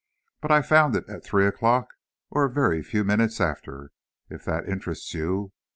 But I found it at three o'clock, or a very few minutes after, if that interests you.